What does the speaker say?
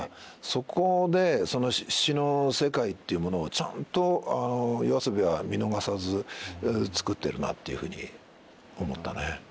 そこでその詩の世界っていうものをちゃんとＹＯＡＳＯＢＩは見逃さず作ってるなっていうふうに思ったね。